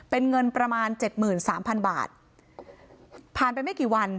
เป็นเงินประมาณ๗๓๐๐๐บาทผ่านไปไม่กี่วัน